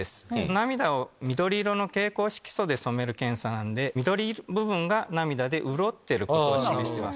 涙を緑色の蛍光色素で染める検査なんで緑部分が涙で潤ってることを示してます。